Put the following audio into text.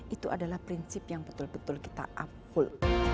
itu adalah prinsip yang betul betul kita up full